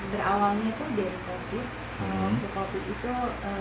berawalnya itu dari kopi untuk kopi itu tidak ada kegiatan